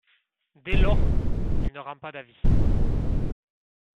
Dès lors, il ne rend pas d’avis.